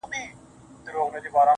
سیاه پوسي ده، رنگونه نسته